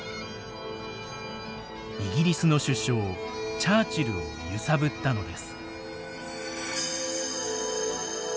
イギリスの首相チャーチルを揺さぶったのです。